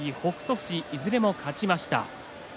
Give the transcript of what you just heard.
富士いずれも勝ちました。